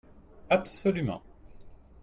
Absolument